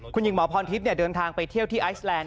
คุณหญิงหมอพรทิพย์เดินทางไปเที่ยวที่ไอซแลนด